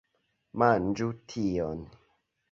Manĝu tion!